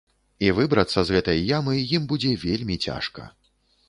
І выбрацца з гэтай ямы ім будзе вельмі цяжка.